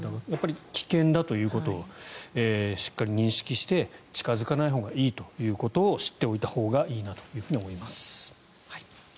危険だということをしっかり認識して近付かないほうがいいということを知っておいたほうがいいなと思います。